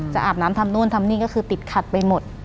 อาบน้ำทำนู่นทำนี่ก็คือติดขัดไปหมด